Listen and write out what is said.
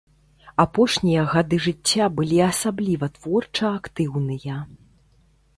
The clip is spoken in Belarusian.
Апошнія гады жыцця былі асабліва творча актыўныя.